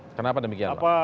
kenapa demikian pak